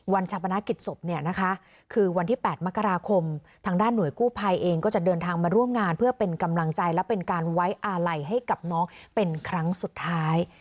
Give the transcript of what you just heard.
ชาปนกิจศพเนี่ยนะคะคือวันที่๘มกราคมทางด้านหน่วยกู้ภัยเองก็จะเดินทางมาร่วมงานเพื่อเป็นกำลังใจและเป็นการไว้อาลัยให้กับน้องเป็นครั้งสุดท้าย